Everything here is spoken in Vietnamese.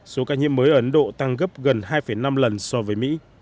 số ca nhiễm mới ở ấn độ tăng gấp gần hai năm lần so với mỹ